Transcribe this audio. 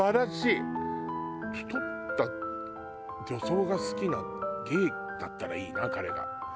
太った女装が好きなゲイだったらいいな彼が。